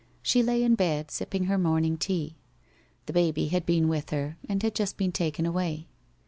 She lay in bed, sipping her morning tea. The baby had been with her and had just been taken away.